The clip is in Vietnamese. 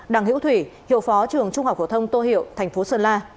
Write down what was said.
đằng hiễu thủy hiệu phó trường trung học phổ thông tô hiệu thành phố sơn la